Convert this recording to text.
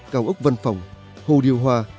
cao ốc văn phòng hồ điều hòa